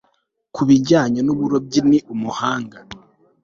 Ku bijyanye nuburobyi ni umuhanga